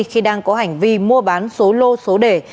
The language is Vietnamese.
khi đang có hành vi mua bán số lô số đề